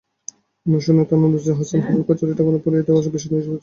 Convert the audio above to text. আশাশুনি থানার ওসি আহসান হাবিব কার্যালয়টি আগুনে পুড়িয়ে দেওয়ার বিষয়টি নিশ্চিত করেছেন।